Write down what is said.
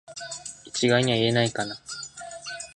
一概には言えないかな